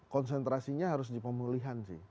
konsentrasinya harus di pemulihan sih